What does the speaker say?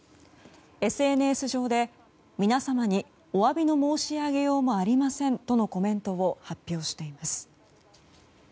ＳＮＳ上で皆様にお詫びの申し上げようもありませんとのコメントを発表しています。